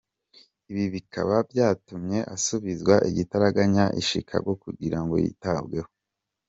Ibi bikaba byatumye asubizwa igitaraganya I chicago kugirango yitabweho.